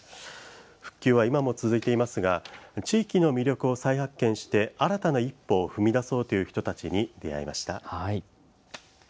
復旧は今も続いていますが、地域の魅力を再発見して、新たな一歩を踏み出そうという人たちに出会いました。